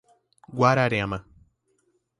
Guararema